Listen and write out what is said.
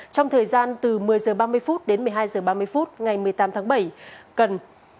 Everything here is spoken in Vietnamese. trong thời gian từ một mươi giờ ba mươi phút đến một mươi hai giờ ba mươi phút ngày một mươi tám tháng bảy cần